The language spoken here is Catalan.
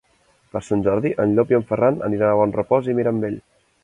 Per Sant Jordi en Llop i en Ferran aniran a Bonrepòs i Mirambell.